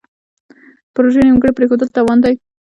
پروژې نیمګړې پریښودل تاوان دی.